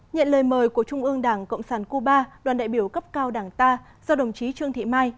nhận lời mời của trung ương đảng cộng sản cuba đoàn đại biểu cấp cao đảng ta do đồng chí trương thị mai